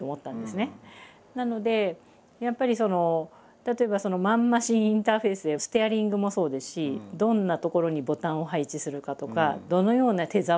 なのでやっぱりその例えばマン・マシンインターフェースステアリングもそうですしどんな所にボタンを配置するかとかどのような手触りにするのかとか。